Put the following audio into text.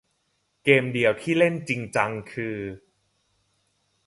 เกมเดียวที่เล่นจริงจังคือ